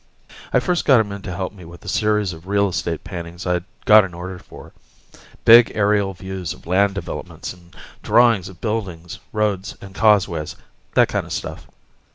I first got him in to help me with a series of real estate paintings I'd got an order for. Big aerial views of land developments, and drawings of buildings, roads and causeways, that kinda stuff.